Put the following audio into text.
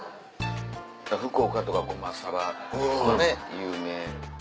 福岡とかゴマサバとかね有名。